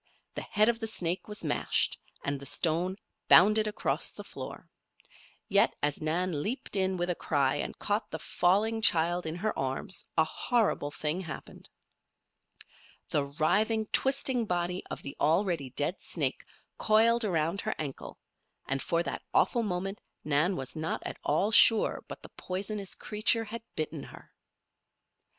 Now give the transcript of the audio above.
The head of the snake was mashed, and the stone bounded across the floor. Yet, as Nan leaped in with a cry and caught the falling child in her arms, a horrible thing happened. The writhing, twisting body of the already dead snake coiled around her ankle and for that awful moment Nan was not at all sure but the poisonous creature had bitten her!